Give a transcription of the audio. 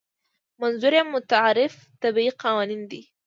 منظور یې متعارف طبیعي قوانین دي.